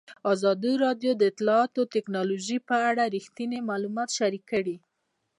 ازادي راډیو د اطلاعاتی تکنالوژي په اړه رښتیني معلومات شریک کړي.